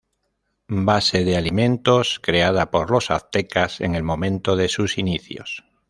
Base de alimentos creada por los Aztecas en el momento de sus inicios.